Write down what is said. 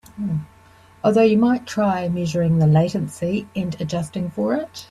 Although you might try measuring the latency and adjusting for it.